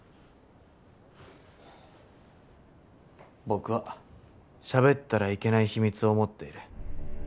僕はしゃべったらいけない秘密を持っている。